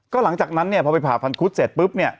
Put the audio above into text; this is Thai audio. ก็หลังจากนั้นพอไปผ่าฟันคุดเสร็จปุ๊บ